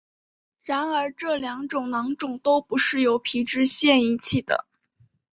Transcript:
然而这两种囊肿都不是由皮脂腺引起的。